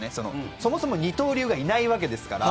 そもそも二刀流がいないわけですから。